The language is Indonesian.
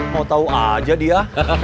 mau tau aja dia